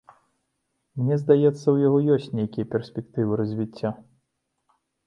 Мне здаецца, у яго ёсць нейкія перспектывы развіцця.